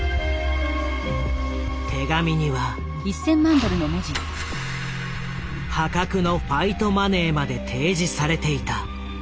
手紙には破格のファイトマネーまで提示されていた。